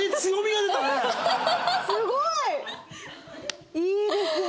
すごい！いいですね！